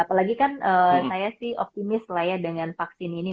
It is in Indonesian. apalagi kan saya sih optimis lah ya dengan vaksin ini